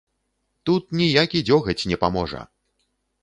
Тут ніякі дзёгаць не паможа!